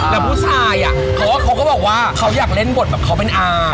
แล้วผู้ชายเขาก็บอกว่าเขาอยากเล่นบทแบบเขาเป็นอา